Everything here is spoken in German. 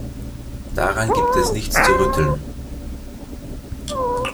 Daran gibt es nichts zu rütteln.